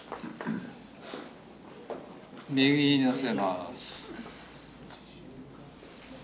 右にのせます。